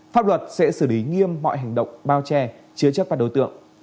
pháp luật sẽ xử lý nghiêm mọi hành động bao che chứa chất và đối tượng